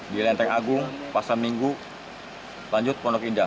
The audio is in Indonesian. di lenteng agung pasar minggu lanjut pondok indah